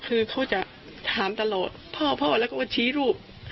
คือเขาจะถามตลอดพ่อพ่อแล้วก็ชี้รูป